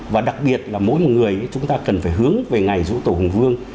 và đặc biệt là mỗi một người chúng ta cần phải hướng về ngày dỗ tổ hùng vương